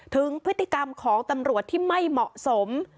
ถึงพฤติกรรมของตำรวจที่ไม่เหมาะสม